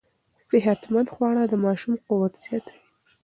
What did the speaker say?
صحتمند خواړه د ماشوم قوت زیاتوي.